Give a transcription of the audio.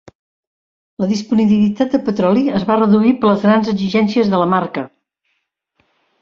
La disponibilitat de petroli es va reduir per les grans exigències de la marca.